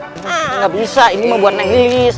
neng gak bisa ini mau buat neng lilis